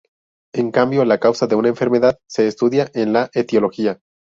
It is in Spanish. En cambio, la causa de una enfermedad se estudia en la etiología.